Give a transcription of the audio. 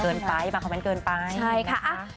เกินไปบางคอมเม้นต์เกินไปนะคะใช่ค่ะ